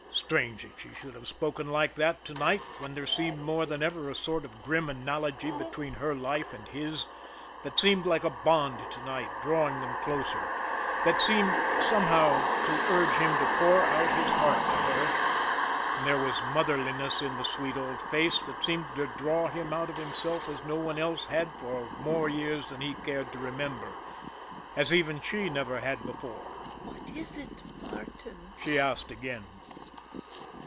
Strange that she should have spoken like that to night when there seemed more than ever a sort of grim analogy between her life and his, that seemed like a bond to night drawing them closer that seemed, somehow, to urge him to pour out his heart to her there was motherliness in the sweet old face that seemed to draw him out of himself as no one else had for more years than he cared to remember as even she never had before. "What is it, Martin?" she asked again.